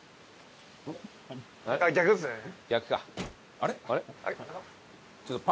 あれ？